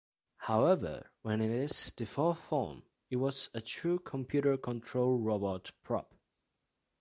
However, when in its default form, it was a true computer-controlled robot prop.